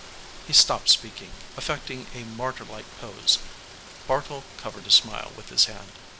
He stopped speaking, affecting a martyr like pose. Bartle covered a smile with his hand.